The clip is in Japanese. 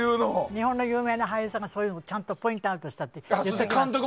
日本の有名な俳優さんがそういうのをちゃんとポイントアウトしたって言っておきます。